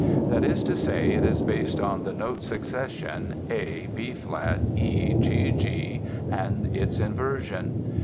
That is to say it is based on the note succession A, B flat, E, G, G, and its inversion.